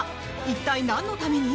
一体、何のために？